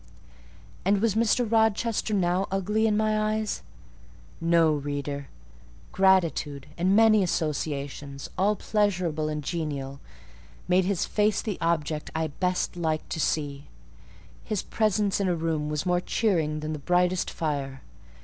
And was Mr. Rochester now ugly in my eyes? No, reader: gratitude, and many associations, all pleasurable and genial, made his face the object I best liked to see; his presence in a room was more cheering than the brightest fire.